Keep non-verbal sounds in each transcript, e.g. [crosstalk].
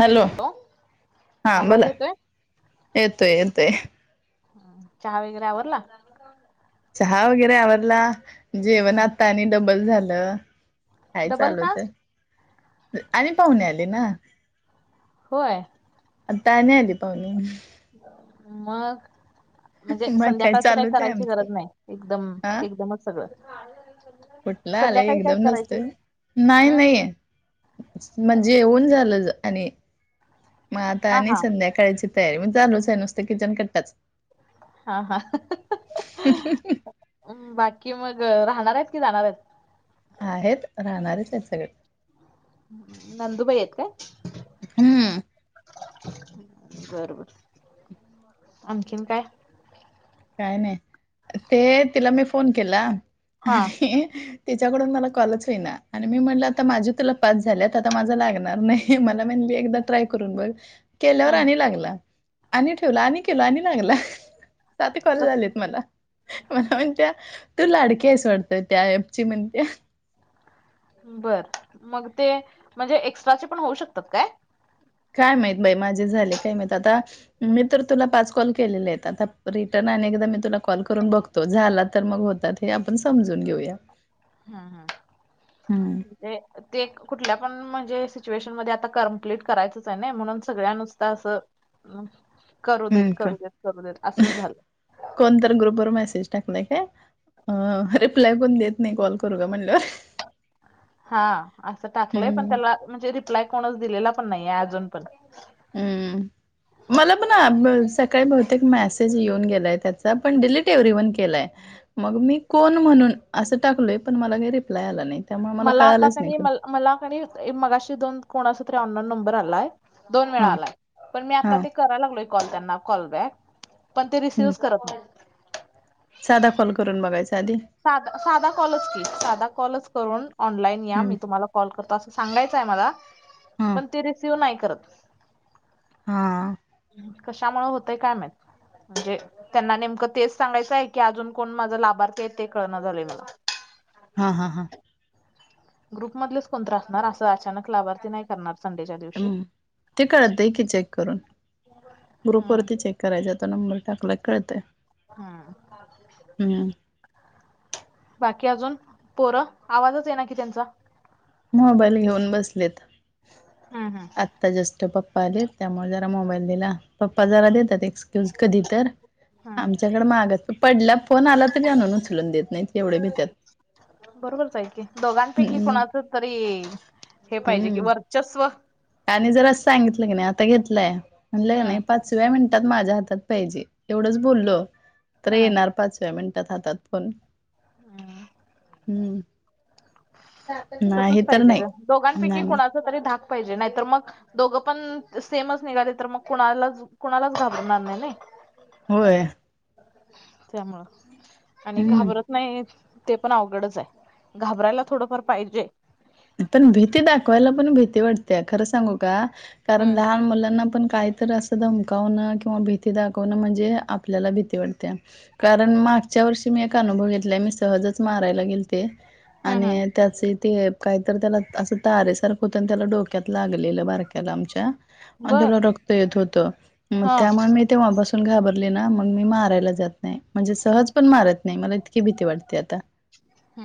Hello, हा आवाज बोला. येतोय येतोय येतोय. चहा वगैरे आवरला? चहा वगैरे आवरला. जेवण हा आता आणि डबल झालं. काय डबल का चालूच आहे आणि पाहुणे आले ना. होय? आता आणि आली पाहुणे. मग? म्हणजे मग काय संध्याकाळच काही चालूच आहे करायची आमचं गरज नाही एकदम एकदमच सगळं. कुठलं आलंय संध्याकाळी काय एकदम नसत करायचे नाही हम्म नाहीे. म्हणजे येऊन झालं आणि मग आता हा आणि हा संध्याकाळचे तयारी मग चालूच आहे नुसत किचन कट्टाच. हा हा बाकी मग राहणार आहेस की जाणार आहेस?? आहेत राहणारेच सगळे. नंदुबाई आहेत काय? हम. बर बर आणखीन काय. काय नाही ते तिला मी फोन केला हा आणि त्याच्याकडून मला कॉलच होईना आणि मी म्हणलं आता माझे तुला पास झालेत आता माझा लागणार नाही मला म्हणली एकदा ट्राय करून बघ केल्यावर हम्म आणि लागला आणि ठेवला आणि केल आणि लागला. सारखे कॉल आलेत मला. मला म्हणत्या तू लाडक्यास वाटत त्या एपची म्हणते्या. बर मग ते म्हणजे एक्स्ट्राचे पण होऊ शकतात काय? काय माहित बाई माझे झाले काय माहित आता मित तर तुला पाच कॉल केलेले आहेत आता रिटर्न अनेकदा मी तुला कॉल करून बघतो झाला तर मग होतात हे आपण समजून घेऊया. हम्म हम्म हम् ते ते कुठल्या पण म्हणजे सिच्युएशन मध्ये आता कमप्लीट करायचंच आहे ना म्हणून सगळ्या नुसत असं करू हम्म देत करू देत करू देत असंच झालं. कोणतर ग्रुपवर मेसेज टाकलाय काय रिप्लाय कोण देत नाही कॉल करू का म्हणल्यावर. हा असं टाकलंय पण हम्म त्याला म्हणजे रिप्लाय कोणच दिलेला पण नाही अजून पण. हम्म मला पण सकाळी बहुतेक मॅसेज येऊन गेलाय त्याचा पण डिलीट एव्हरीवान केलाय मग मी कोण म्हणून अस टाकलोय पण मला नाही रिप्लाय रीप्लाय आला नाही. त्यामुळे मला आता कळालंच नाही कने कोण मला कने मगाशी दोन कोणाच तरी आनोन नंबर आलाय दोन वेळा हा आला पण मी आता हा ते करायला लागलोय कॉल त्यांना कॉलबॅक पण ते हम्म रिसीव्हच करत नाही आहेत. साधा कॉल करून बघायचा आधी. साधा साधा कॉलच की साधा कॉलच करून ऑनलाईन या हम्म मी तुम्हाला कॉल कर अस सांगायचं आहे मला हा पण ती रिसीव नाही करत. हा. कशामुळे होतय काय माहित. म्हणजे त्यांना नेमकं तेच सांगायचं आहे की अजून कोण माझं लाभार्थी आहे ते कळणं झालंय मला. हा हा हा. ग्रुप मधलेच कोणत असणार असं अचानक लाभार्थी नाही करणार संडेच्या दिवशी. हम्म ते कळत की चेक करून ग्रुप हम्म, वरती चेक करायचा त नंबर टाकला की कळतय. हम्म. हम्म बाकी अजून पोरं आवाजच ये ना की त्यांचा? मोबाईल घेऊन बसलेत हम्म, हम्म, आ ता जस्ट पप्पा आले त्यामुळे जरा मोबाईल दिला पप्पा जरा देतात एक कधी तर हम्म. आमच्याकडे मागच पडला फोन आला तरी आणून उचलून देत नाहीत. एवढे भित्यात बरोबरच आहे की दोघांपैकी हम्म कोणाच तरी हे पाहिजे की हम्म वर्चस्व. आणि जर सांगितलं की नाही आता घेतलंय म्हंटलं कने हम्म, नाही पाचव्या मिनिटात माझ्या हातात पाहिजे एवढच बोलल तर हम्म. येणार. पाचव्या मिनिटात हातात फोन. हम्. हम्म तसंच नाही तर पाहिजे नाही ग दोघांपैकी नाही नाही. कोणाचा तरी धाक पाहिजे नाही तर मग दोघं पण सेमच निघाले, तर मग कुणाला कुणालाच घाबरणार नाही नाही. होय त्यामुळं, आणि हम्म घाबरत नाही ते पण अवघडच आहे, घाबरायला थोडंफार पाहिजे. पण भीती दाखवायला पण भीती वाटत्या, खरं सांगू का कारण हम्म लहान मुलांना पण काही तर असं धमकावणं किंवा भीती दाखवणं म्हणजे, आपल्याला भीती वाटत्या. कारण मागच्या वर्षी मी एक अनुभव घेतलाय, मी सहजच मारायला गेलते हम्म हम्म आणि त्याचे ते काहीतर त्याला, असं तारेसारखं होतं आणि त्याला डोक्यात लागलेलं बारक्याला आमच्या. अन बर त्याला रक्त येत होतं, मग हा त्यामुळे मी तेव्हापासून घाबरले ना, मग मी मारायला जात नाय, म्हणजे सहज पण मारत नाही, मला इतकी भीती वाटते आता,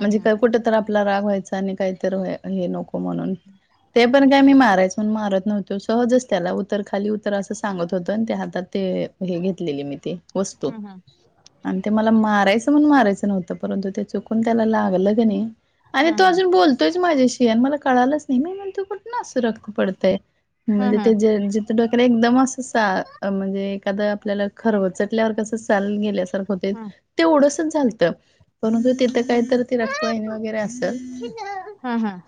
म्हणजे का कुठेतर आपला राग व्हायचा आणि काहीतरी व्हा हे नको म्हणून, ते पण काय मी मारायच पण मारत नव्हतो, सहजच त्याला उतर खाली उतर असं सांगत होतं आणि ते आात ते हे घेतलेले मी ते वस्तू. हम्म हम्म आणि ते मला मारायचं म्हणुन मारायचं नव्हतं, परंतु ते चुकून त्याला लागलं क नाही आणि तो हम्म अजून बोलतोयच माझ्याशी, आणि मला कळालंच नाही मी म्हणतोय कुठनं असं रक्त पडतंय. हम्म म्हणजे ते हम्म ज त डोक्याला एकदम असं सा, म्हणजे एखादं आपल्याला खरवचटल्यावर कसं साल गेल्यासारखं हो ते हम्म तेवढंसच झालतं, परंतु तिथं कायतर ती रक्तवाहिनी वगैरे असल. हम्म हम्म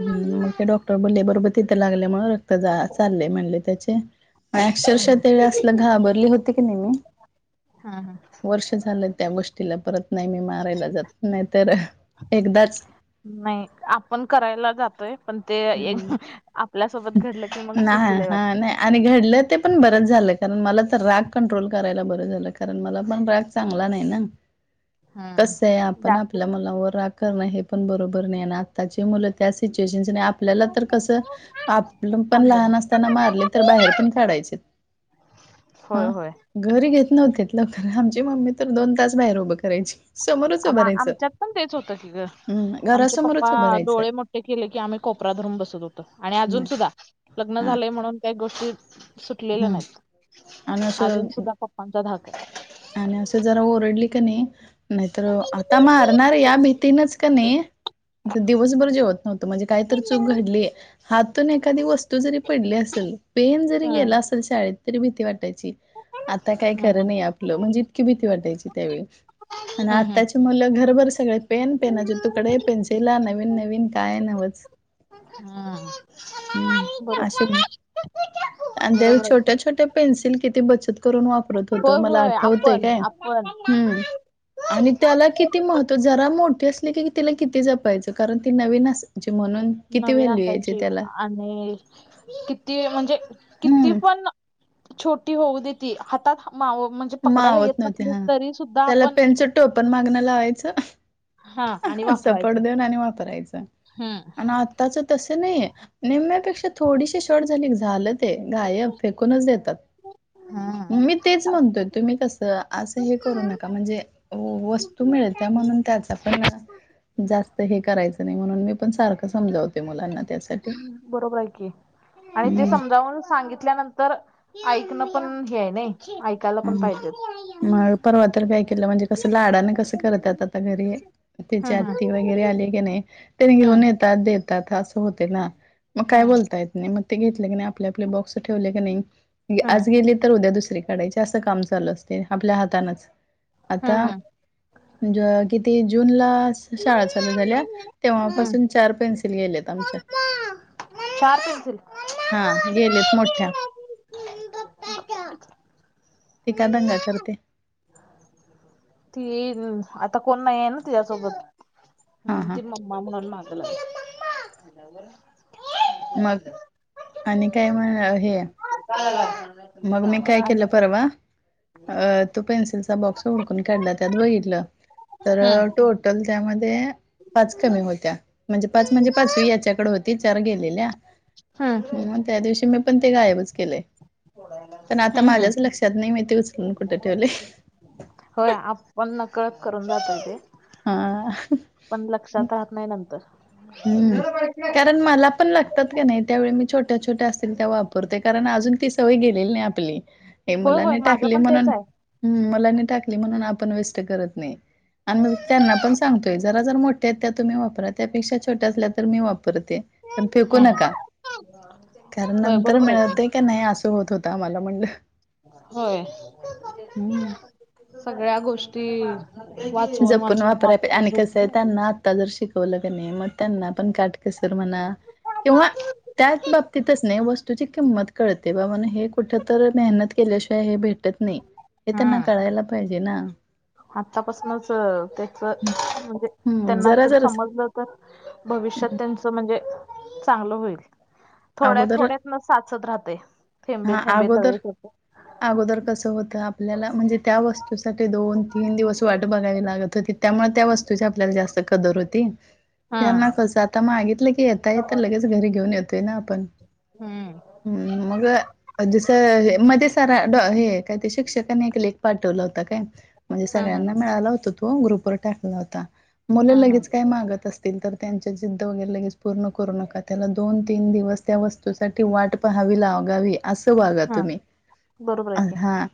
हम्म, मग ते डॉक्टर बोलले बरोबर तिथे लागल्यामुळं रक्त जा चालले म्हणले त्याचे. नाय हम्म हम्म अक्षरशः त्यावेळी असलं घाबरली होती की नाहीे मी. हा हा. वर्ष झालं त्या गोष्टीला, परत नाही मी मारायला जात नाहीतर एकदाच नाही, आपण करायला जातोय पण ते, हम्म आपल्यासोबत घडलं की मग भीती नाही लय हा वाटते. नाही आणि घडलं ते पण बरंच झालं, कारण मला आता राग कंट्रोल करायला बरं झालं, कारण मला पण राग चांगला नाही ना. [inaudible] कसंय आपण आपल्या जास्त मुलावर रा करण हे पण बरोबर नाही ना, आताचे मुलं त्या सिच्युएशन आपल्याला तर कसं, आपलं पण थांब दोन लहान असताना मिनिट मारले तर बाहेर पण काढायचे. होय हा होय. घरी घेत नव्हतेत लवकर, आमची मम्मी तर दोन तास बाहेर उभं करायची. समोरच उभं आमा राहायचं आमच्यात पण तेच होतं की ग, हम्म आमचे पप्पा घरासमोरच उभं राहायचं डोळे मो ते केले की आम्ही कोपरा धरून बसत होतो, आणि अजून नाही सुद्धा लग्न हा झालेय म्हणून काही गोष्टी सुटलेल्या हम्म नाहीत, आणि असं अजून सुद्धा पप्पांचा धाक हाय. आणि असं जरा ओरडले का नाही नाहीतर हा अ, आता मारणार या भीतीनच का नाही दिवसभर जेवत नव्हतो, म्हणजे काय तर चूक घडली. हातून एखादी वस्तू जरी पडली असेल, पेन जरी हा गेला असेल शाळेत, तरी भीती वाटायची. आता काय खरं नाही आपलं, म्हणजे इतकी भीती वाटायची त्यावेळी. आणि हम्म हम्म. आत्ताची मुलं घरभर सगळे पेन, पेनाचे तुकडे, पेन्सिला नवीन नवीन काय नवच. हम हम्म अशे आणि त्या बरोबर आहे की. छोट्या छोट्या पेन्सिल किती बचत करून वापरत होतो होय मला होय आठवतय आपण काय. आपण हम्म आणि त्याला किती महत्त्व, जरा मोठे असली की तिला किती जपायचो, कारण ती नवीन अस ची म्हणून, किती नवीन व्हॅल्यू यायची असायची त्याला. आणि, किती म्हणजे, किती हम्म. पण छोटी होऊ देे ती हातात माव म्हणजे पकडायला मावत येत नव्हते नसले हा. तरी सुद्धा त्याला आपण टोपण मागण लावायच. हा आणि सपोट वापरायचं देऊन आणि वापरायचं, हम्म आणि आ त्याचं तस नाहीे, निम्म्यापेक्षा थोडीशी शॉर्ट झाली झाल ते गायब फेकूनच देतात, मी तेच म्हणतोय तुम्ही कसं असं हे करू हा नका म्हणजे, वस्तू मिळत्या म्हणून त्याचा पण जास्त हे करायचं नाही म्हणून मी पण सारखं समजवते मुलांना त्या अस. बरोबर आहे की, आणि ते हम्म. समजावून सांगितल्यानं तर, ऐकणं पण हे आहे नाही ऐकायला पण पाहिजेत. मग परवा तर काय केलं म्हणजे कसं लाडान कसं करतात आता घरी. त्याची हम्म आत्ती वगैरे आली की नाय, त्यांनी घेऊन हम्म ये देतात अस होतय ना, मग काय हम्म बोलता येत नाही. ते घेतल कनाया आपल्या आपल्या बॉक्स ठेवल क नाही, हम्म आज गेली तर उद्या दुसरी काढायची. जास्त काम चालू असतय आपल्या हातानच, हम्म हम्म आता हम्म ज किती जून ला शाळा चालू झाल्या, हम्म तेव्हापासून चार पेन्सि नेलेत आमच्या. चार पेन्सिल. हा गेलेत मोठ्या. ते का दंगा करतय. ती आता कोण नाही आहे ना तिच्यासोबत? हा म हा ती म्मा म्हणून माग ला मग, आणि काय म हे [unintelligible] मग मी काय केल परवा? अ तो पेन्सिलचा बॉक्स उडकून काढला त्यात बघितल, तर हम्म टो टल त्यामध्ये, पाच कमी होत्या, म्हणजे पाच म्हणजे पाचवी याच्याकडे हो ती चार गेलेल्या. हा. म त्या दिवशी मी पण ते गायबच केलय. पण आता हम्म माझ्याच लक्षात नाही मी ते उचलून कुठे ठेवलय? होय आपण न कळत करून जातोय ते. हा. पण लक्षात राहात नाही नंतर. हम्म, कारण मला पण लाग तात कनाय त्यावेळी मी छोट्या छोट्या असतील त्या वापरतोय कारण अजून ती सवय गेलेली नाही आपली. हे होय होय मुलानी माझं टाकले पण तेच म्हणून, आहे. हम्म मुलानी टाकली म्हणून आपण वेस्ट करत नाही. आणि म त्यांना पण सांगतोय जरा जर मोठ्या आहेत त्या तुम्ही वापरा त्यापेक्षा छोट्या असल्या तर मी वापरते, पण फेकू हम्म नका, कारण होय नंतर बरोबर आहे की मिळतय कनाय असं होत होत आम्हाला म्हणलं. होय, हम्म. सगळ्या गोष्टी वाचवून वाचवून वापरायचो [unintelligible] आता जर शिकवलं क नाय म त्यांना पण काटकेसर म्हणा, किंवा त्याच बाबतीतच नाही वस्तूची किंमत कळते बाबा हे कुठ तर मेहनत केल्याशिवाय हे भे टत नाही, हे त्यांना कळायला पाहिजे ना. आतापासनच त्याच म्हणजे, हम्म त्यांना जरा [unintelligible] जरास समजलं. पण, भविष्यात त्यांचं म्हणजे चांगलं होईल. थोड्या अगोदर थोड्यातनच साचत राहते, थेंबे हा थेंबे अगोदर तळे साचे. अगोदर कसं होतं आपल्याला म्हणजे त्या वस्तूसाठी दोन तीन दिवस वाट बघावी लागत होती. त्यामुळे त्या वस्तूची आपल्याला जास्त कदर होती. हम्म. यांना कसं आता मागितलं की येता येता लगेच घरी घेऊन येतोय ना आपण. हम्म. हम्म मग जस मध्ये सर हे काय ते शिक्षकनी एक लेख पाठवला होता काय. म्हणजे हम्म. हम्म. सगळ्यांना मिळाला होत तो ग्रुपवर टाकला होता मुलं हम्म. लगेच काय मागत अस तिल तर त्यांच्या जिद्द वगैरे लगेच पूर्ण करू नका त्याला दोन तीन दिवस त्या वस्तू साठी वाट पहावी लागावी असं वागा हम्म. तुम्ही बरोबर आहे की. [unintelligible] हा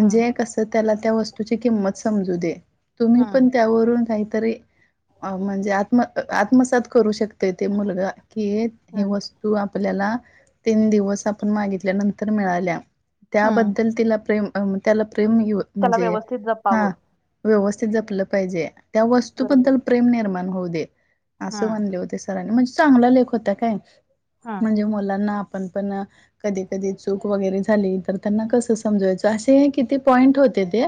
हम्म. कस त त्याला त्या वस्तूची किंमत समजू दे तुम्ही हम्म. पण त्यावरून काहीतरी अ म्हणजे आत्म आत्मसात करू शकतय ते मुलगा कि एक हे हम्म. वस्तू आपल्याला तीन दिवस आपण मागितल्यानंतर मिळाल्या हम्म. त्याबद्दल तिला प्रेम त्याला प्रेम हे त्याला म्हणजे व्यवस्थित जपावं. हा. व्यवस्थित जपलं पाहिजे त्या बरोबर वस्तूबद्दल आहे. प्रेम निर्माण होऊ दे असं हम्म. म्हणले होते स [unintelligible] म्हणजे चांगला लेख होता काय हम्म. म्हणजे मुलांना आपण पण कधी कधी चूक वगैरे झाली तर त्यांना कसं समजवायचं असे हे किती पॉईंट होते ते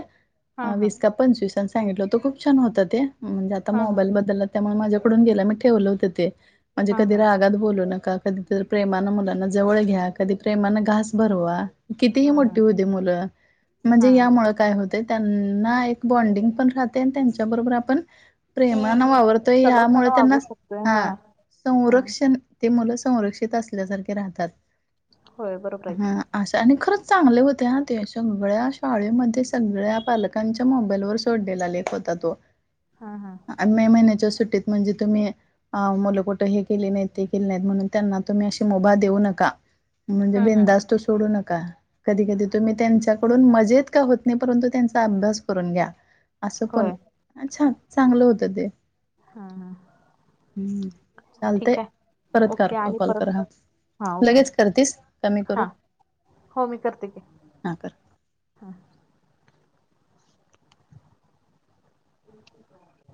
हा हम्म. हम्म. वीस का पंचवीसां सांगितलं हो तर खूप छान होत ते म्हणजे आता हम्म. मोबाईल बद्दल त म माझ्याकडून गेला म ठेवलं होत ते म्हणजे कधी हम्म. रागात बोलुन नका कधी तर प्रेमानं मुलांना जवळ घ्या कधी प्रेमानं घास भरवा. कितीही हम्म. हम्म. मोठी होते मुलं म्हणजे हम्म. यामुळ काय होते त्यांना एक बडिंग पण राहते आणि त्यांच्या बरोबर आप प्रेमान वावर त यामुळे सलोख्यानं त्यांना वागू शकतोय. हा हम्म. संरक्षण ते मुलं संरक्षित असल्यासारखे राहतात. होय बरोबर आहे की. असं आणि खरंच चांगले होते हा ते सगळ्या शाळेमध्ये सगळ्या पालकांच्या मोबाईलवर स सोडलेला लेख होता तो. हा हा. आणि मे महिन्याच्या सुट्टीत म्हणजे तुम्ही अ मुलं कुठ हे केले म्हणून त्यांना अशी मुबा देऊ नका म्हणजे हम्म हम्म बिनधास्त सोडू न कधी कधी तुम्ही त्यांच्याकडून मजेत का होत नाही परंतु त्यांच अस अभ्यास करून घ्या अस पण होय छान चांगलं होत ते. हा हा हम्म चालतंय. ठीक आहे परत कर ओके आणि कॉल परत करा हा ओके लगेच करतीस का मी हा करू. हो मी करते की. हां कर. [inaudible]